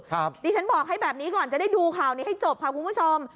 ดิฉันบอกให้แบบนี้ก่อนจะได้ดูข่าวนี้ให้จบค่ะคุณผู้ชม